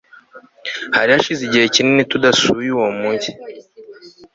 Hari hashize igihe kinini tutasuye uwo mujyi